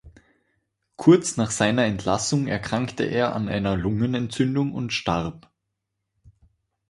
Kurz nach seiner Entlassung erkrankte er an einer Lungenentzündung und starb.